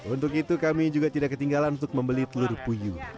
untuk itu kami juga tidak ketinggalan untuk membeli telur puyuh